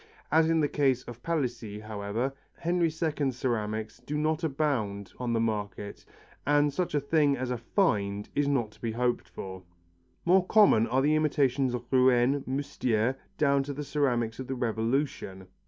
As in the case of Palissy, however, Henry II ceramics do not abound on the market and such a thing as a find is not to be hoped for. More common are the imitations of Rouen, Moustiers, down to the ceramics of the Revolution.